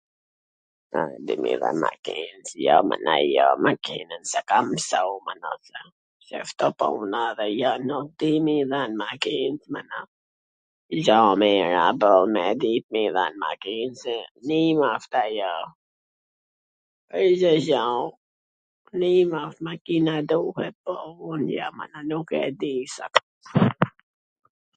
A di me i dhan makins? Jo, mana, jo, makinwn s e kam msu, mana, jo un nuk di memi dhan makins, mana, po mir a me dit me i dhan makins, nim asht ajo, .... nim asht makina, duhet, po un jo, mana, nuk e di.